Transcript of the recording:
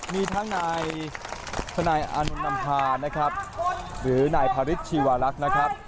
มีทั้งนายทนายอานนท์นำพานะครับหรือนายพาริชชีวรักษ์นะครับ